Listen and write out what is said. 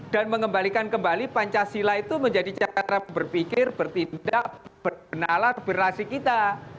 dan mengembalikan kembali pancasila itu menjadi cara berpikir bertindak berkenalan berhasil kita